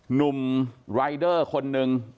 หนุ่มรายเดอร์คนหนึ่ง